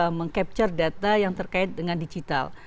untuk meng capture data yang terkait dengan digital